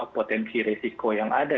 potensi risiko yang ada